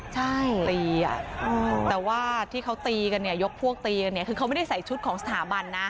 ใช่ตีอ่ะแต่ว่าที่เขาตีกันเนี่ยยกพวกตีกันเนี่ยคือเขาไม่ได้ใส่ชุดของสถาบันนะ